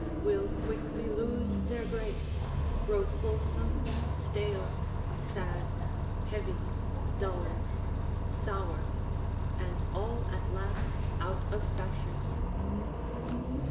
will quickly lose their grace, grow fulsome, stale, sad, heavy, dull, sour, and all at last out of fashion.